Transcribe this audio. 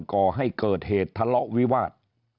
ก่อให้เกิดเหตุทะเลาะวิวาส